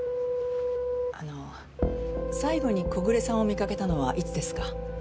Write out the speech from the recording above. あの最後に小暮さんを見かけたのはいつですか？